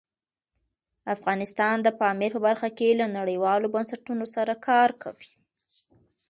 افغانستان د پامیر په برخه کې له نړیوالو بنسټونو سره کار کوي.